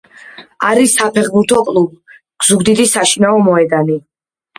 არის საფეხბურთო კლუბ „ზუგდიდის“ საშინაო მოედანი.